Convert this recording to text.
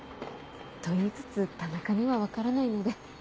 と言いつつ田中には分からないので。